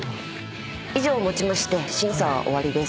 以上をもちまして審査は終わりです。